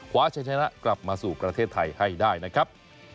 ใช้ชนะกลับมาสู่ประเทศไทยให้ได้นะครับ